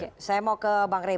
oke saya mau ke bang rey